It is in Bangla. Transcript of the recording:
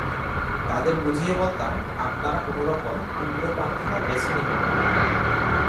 তাঁদের বুঝিয়ে বলতাম, আপনারা কোনো রকম উগ্র পন্থা বেছে নেবেন না।